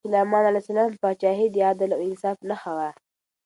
د حضرت سلیمان علیه السلام پاچاهي د عدل او انصاف نښه وه.